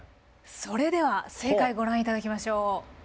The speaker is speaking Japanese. それでは正解ご覧いただきましょう。